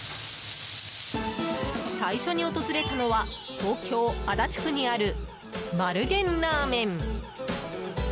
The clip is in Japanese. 最初に訪れたのは東京・足立区にある丸源ラーメン。